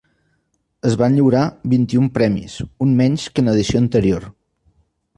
Es van lliurar vint-i-un premis, un menys que en l'edició anterior.